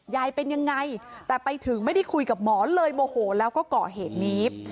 ยายเป็นยังไงแต่ไปถึงไม่ได้คุยกับหมอเลยโมโหแล้วก็ก่อเหตุนี้